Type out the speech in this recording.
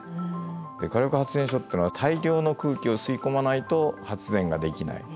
で火力発電所っていうのは大量の空気を吸い込まないと発電ができない。